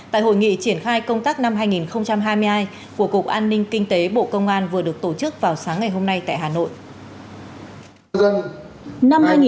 tại hội nghị triển khai công tác năm hai nghìn hai mươi hai của cục an ninh kinh tế bộ công an vừa được tổ chức vào sáng ngày hôm nay tại hà nội